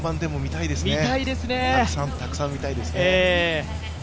たくさん見たいですね。